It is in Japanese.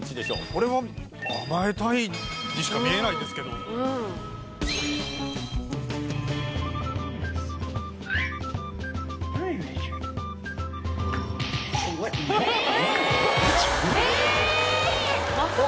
これは甘えたいにしか見えないですけどえっ！？